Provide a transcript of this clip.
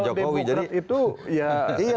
kalau demokrat itu ya